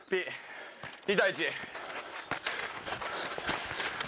２対１。